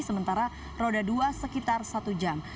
sementara roda dua sekitar satu jam